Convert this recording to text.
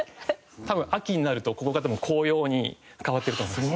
多分秋になるとここが紅葉に変わってると思います。